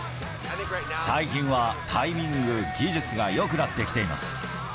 最近はタイミング、技術がよくなってきています。